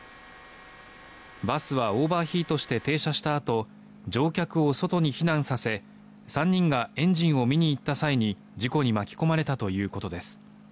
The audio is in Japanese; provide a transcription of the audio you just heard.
バスはオーバーヒートして停車したあと乗客を外に避難させ３人がエンジンを見に行った際に事故に巻き込まれたということです。